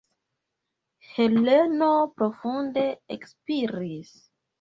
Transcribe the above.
Heleno profunde ekspiris.